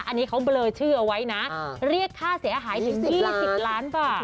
อันนี้เขาเบลอชื่อเอาไว้นะเรียกค่าเสียหายถึง๒๐ล้านบาท